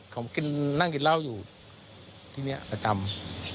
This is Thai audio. เขากินนั่งกินเหล้าอยู่ที่นี่ประจำ